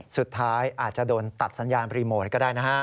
สุดท้ายอาจจะโดนตัดสัญญาณรีโมทก็ได้นะฮะ